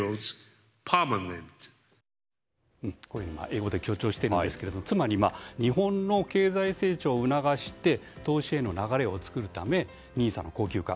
英語で強調していますがつまり日本の経済成長を促して投資への流れを作るためＮＩＳＡの恒久化